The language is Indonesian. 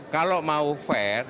kalau mau fair